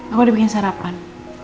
aku dibikin sarapan